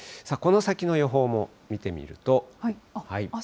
この先の予報も見てみると。